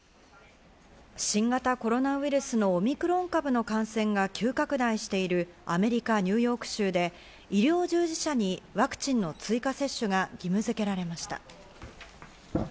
新型コロナウルスのオミクロン株の感染が急拡大しているアメリカ・ニューヨーク州で、医療従事者にワクチンの追加接種が義務づけられました。